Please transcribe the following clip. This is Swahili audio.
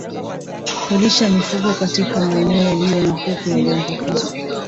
Kulisha mifugo katika maeneo yaliyo na kupe walioambukizwa